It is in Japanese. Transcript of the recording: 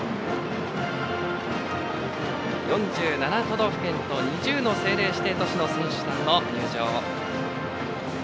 ４７都道府県と２０の政令指定都市の選手団の入場。